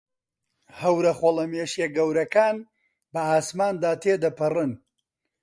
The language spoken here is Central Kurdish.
هەورە خۆڵەمێشییە گەورەکان بە ئاسماندا تێدەپەڕن.